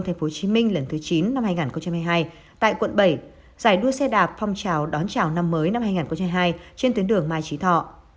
tp hcm lần thứ chín năm hai nghìn hai mươi hai tại quận bảy giải đua xe đạp phong trào đón chào năm mới năm hai nghìn hai mươi hai trên tuyến đường mai trí thọ